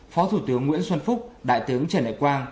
phó thủ tướng nguyễn xuân phúc đại tướng trần đại quang